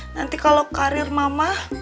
nanti kalau karir mama